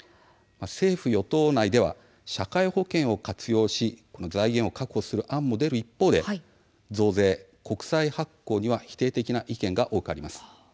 政府与党内では社会保険を活用し財源を確保する案も出る一方で増税、国債発行には否定的な意見が多くあります。